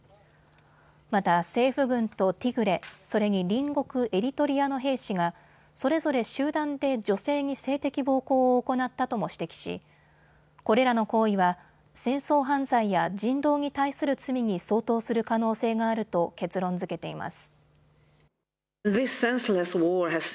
また政府軍とティグレ、それに隣国エリトリアの兵士がそれぞれ集団で女性に性的暴行を行ったとも指摘しこれらの行為は戦争犯罪や人道に対する罪に相当する可能性があると結論づけています。